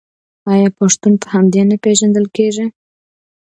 آیا پښتون په همدې نه پیژندل کیږي؟